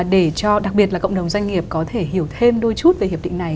để cho đặc biệt là cộng đồng doanh nghiệp có thể hiểu thêm đôi chút về hiệp định này